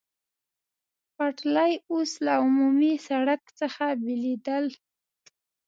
پټلۍ اوس له عمومي سړک څخه بېلېدل.